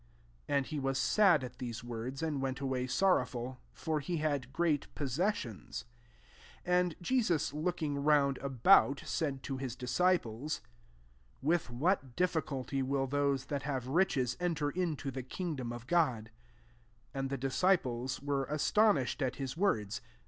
'' 22 4nd he was sad at these words, ind w^it away sorroW^l : for le bad gpreat possessions. 2S ^d Jesus looking round about, laid to his disciples, " With vbat diilculty will those that lave ridies enter into the king lora«€Ood!" 24 And the disciples were iStonished at his words.